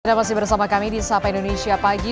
anda masih bersama kami di sapa indonesia pagi